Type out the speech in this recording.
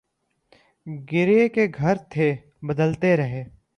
Kiray K Ghar Thay Badalty Rahay